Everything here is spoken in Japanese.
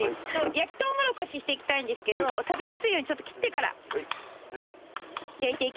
焼きとうもろこししていきたいんですけど食べやすいようにちょっと切ってから焼いていきます。